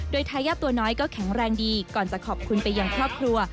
โดยทายาทตัวน้อยก็แข็งแรงดีก่อนจะขอบคุณไปยังครอบครัว